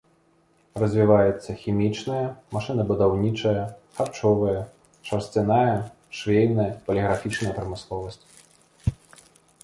Развіваецца хімічная, машынабудаўнічая, харчовая, шарсцяная, швейная, паліграфічная прамысловасць.